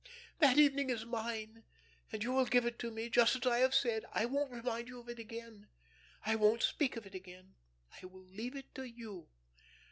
That evening is mine, and you will give it to me, just as I have said. I won't remind you of it again. I won't speak of it again. I will leave it to you.